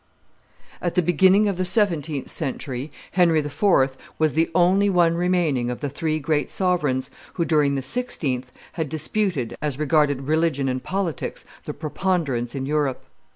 At the beginning of the seventeenth century Henry IV. was the only one remaining of the three great sovereigns who, during the sixteenth, had disputed, as regarded religion and politics, the preponderance in Europe.